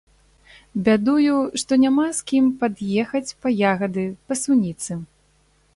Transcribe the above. Бядую, што няма з кім пад'ехаць па ягады, па суніцы.